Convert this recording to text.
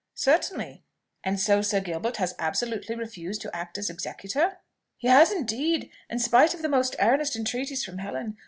"Certainly. And so Sir Gilbert has absolutely refused to act as executor?" "He has indeed, and spite of the most earnest entreaties from Helen.